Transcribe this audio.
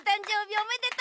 おめでと！